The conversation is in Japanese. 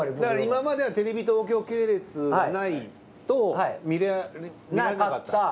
だから今まではテレビ東京系列内と見られなかった。